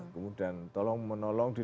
kemudian tolong menolong di